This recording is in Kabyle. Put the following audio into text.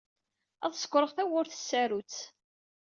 Ad d-sekkṛeɣ tawwurt s tsarut.